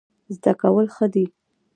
زده کول ښه دی.